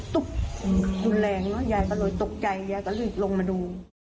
ตุ๊บดูแรงเนอะยายก็เลยตกใจยายก็เลยลงมาดู